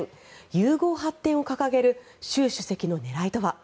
融合発展を掲げる習主席の狙いとは？